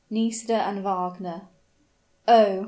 NISIDA AND WAGNER. Oh!